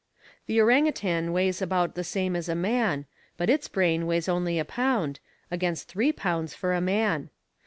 An orang utan weighs about the same as a man, but its brain weighs only a pound, against three pounds for a man.